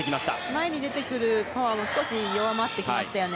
前に出てくるパワーが少し弱まってきましたね。